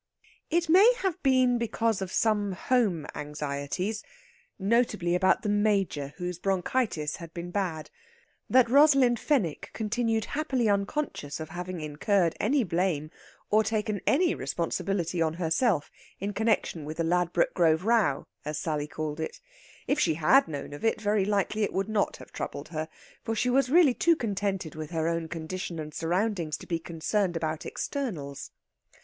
It may have been because of some home anxieties notably about the Major, whose bronchitis had been bad that Rosalind Fenwick continued happily unconscious of having incurred any blame or taken any responsibility on herself in connexion with the Ladbroke Grove row, as Sally called it. If she had known of it, very likely it would not have troubled her, for she was really too contented with her own condition and surroundings to be concerned about externals.